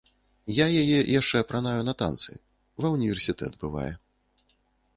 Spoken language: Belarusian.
Я яе яшчэ апранаю на танцы, ва ўніверсітэт бывае.